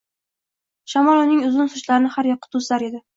Shamol uning uzun sochlarini har yoqqa to‘zitar edi